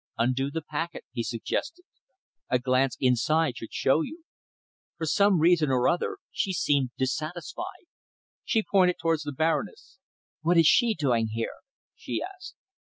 "Undo the packet," he suggested. "A glance inside should show you." For some reason or other she seemed dissatisfied. She pointed towards the Baroness. "What is she doing here?" she asked.